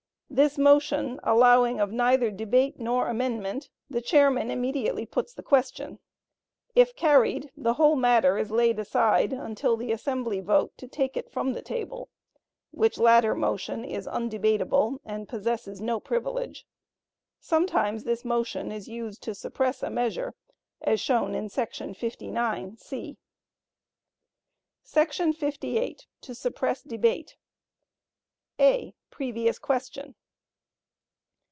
This motion allowing of neither debate nor amendment, the chairman immediately puts the question; if carried, the whole matter is laid aside until the assembly vote to "take it from the table" (which latter motion is undebatable and possesses no privilege). Sometimes this motion is used to suppress a measure, as shown in § 59 (c). 58. To Suppress Debate. (a) Previous Question.